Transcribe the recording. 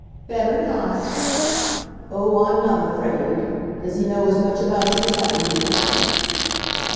"Better not." "Oh, I'm not afraid. Does he know as much about you as I do?"